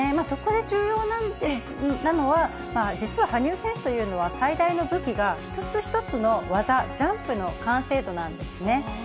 そこで重要なのは、実は羽生選手というのは、最大の武器が一つ一つの技、ジャンプの完成度なんですね。